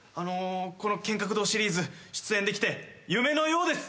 この剣客道シリーズ出演できて夢のようです。